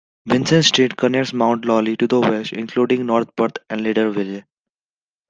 Vincent Street connects Mount Lawley to the west, including North Perth and Leederville.